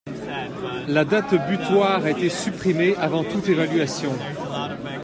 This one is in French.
La date butoir a été supprimée avant toute évaluation.